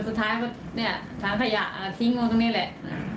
สุดท้ายก็ฐานขยะทิ้งลงตรงนี้แหละ